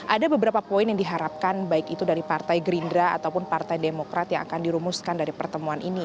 ada beberapa poin yang diharapkan baik itu dari partai gerindra ataupun partai demokrat yang akan dirumuskan dari pertemuan ini